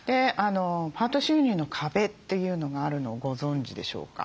「パート収入の壁」というのがあるのをご存じでしょうか。